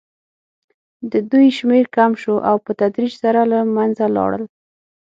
د دوی شمېر کم شو او په تدریج سره له منځه لاړل.